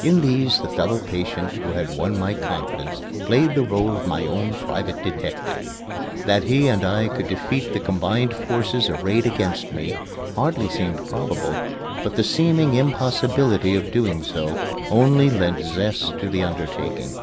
In these the fellow patient who had won my confidence played the role of my own private detective. That he and I could defeat the combined forces arrayed against me hardly seemed probable, but the seeming impossibility of so doing only lent zest to the undertaking.